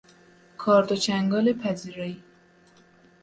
کارد و چنگال پذیرایی